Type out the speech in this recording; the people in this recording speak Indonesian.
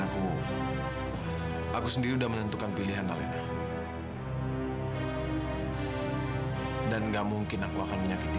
kalau denger kamu ngomong kayak gitu